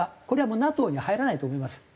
これはもうＮＡＴＯに入らないと思います。